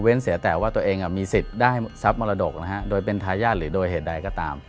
เสียแต่ว่าตัวเองมีสิทธิ์ได้ทรัพย์มรดกโดยเป็นทายาทหรือโดยเหตุใดก็ตาม